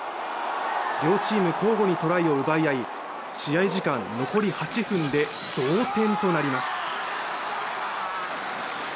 両チーム交互にトライを奪い合い試合時間残り８分で同点となります